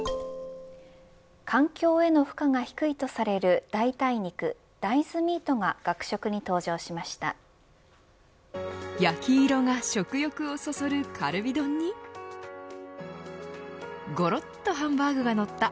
環境への負荷が低いとされる代替肉、大豆ミートが学食に登場しました。